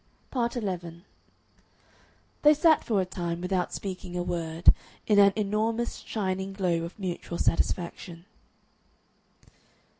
Part 11 They sat for a time without speaking a word, in an enormous shining globe of mutual satisfaction.